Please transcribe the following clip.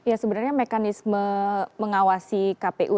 ya sebenarnya mekanisme mengawasi kpu